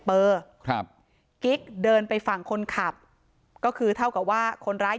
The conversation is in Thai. เปอร์ครับกิ๊กเดินไปฝั่งคนขับก็คือเท่ากับว่าคนร้าย